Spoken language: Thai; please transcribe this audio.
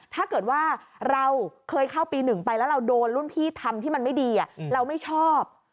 ถ้าเกิดว่าเราเคยเข้าปี๑ไปแล้วเราโดนรุ่นพี่ทำที่มันไม่ดีเราไม่ชอบ